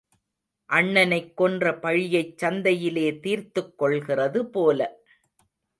அண்ணனைக் கொன்ற பழியைச் சந்தையிலே தீர்த்துக் கொள்கிறது போல.